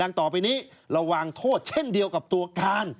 ต่อไปนี้ระวังโทษเช่นเดียวกับตัวการ